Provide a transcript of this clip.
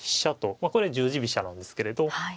まあこれ十字飛車なんですけれど。